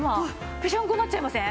ぺしゃんこになっちゃいません？